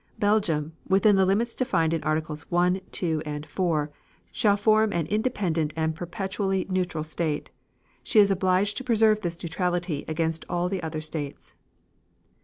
Belgium, within the limits defined in Articles 1, 2 and 4 shall form an independent and perpetually neutral state. She is obligated to preserve this neutrality against all the other states.